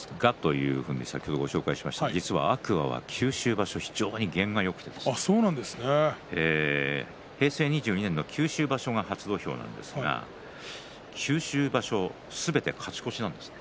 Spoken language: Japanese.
茨城出身ですがと、先ほどお伝えしましたが天空海は九州場所、九州に験がよくて平成２２年の九州場所が初土俵ですが九州場所すべて勝ち越しなんですね。